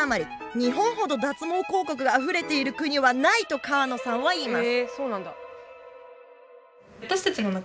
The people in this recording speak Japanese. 「日本ほど脱毛広告があふれている国はない」と河野さんは言います。